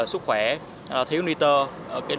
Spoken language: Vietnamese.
sức khỏe thiếu niter